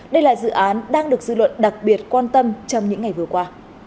đây là dự án đang được dư luận đặc biệt quan tâm trong những ngày vừa qua